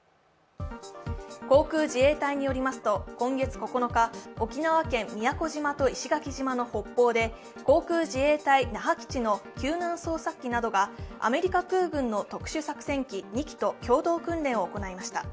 航空自衛隊によりますと、今月９日沖縄県・宮古島と石垣島の北方で航空自衛隊・那覇基地の救難捜索機などがアメリカ空軍の特殊作戦機２機と共同訓練を行いました。